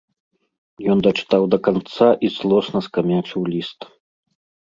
Ён дачытаў да канца і злосна скамячыў ліст.